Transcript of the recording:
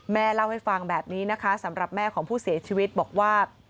แม่เล่าให้ฟังแบบนี้นะคะสำหรับแม่ของผู้เสียชีวิตบอกว่า